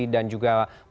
dan juga penyelam